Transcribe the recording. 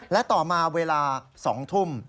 และต่อมาเวลา๒ทุ่ม